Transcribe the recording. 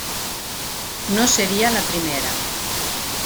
No seria la primera.